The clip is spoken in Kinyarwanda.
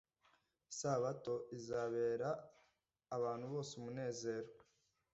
Isabato izabera abantu bose umunezero